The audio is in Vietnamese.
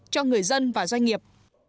cho người dân và doanh nghiệp